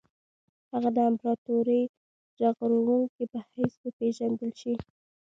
هغه د امپراطوري ژغورونکي په حیث وپېژندل شي.